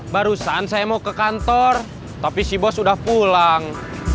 barusan saya mau ke kantor tapi si bos sudah pulang